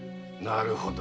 なるほど。